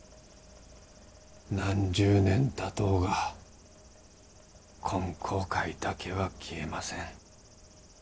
何十年たとうがこの後悔だけは消えません。